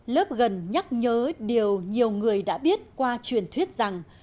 lớp gần nhắc nhớ điều nhiều người đã biết qua truyền thuyết rằng